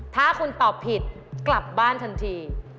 ถ้าคุณตอบผิดกลับบ้านทันที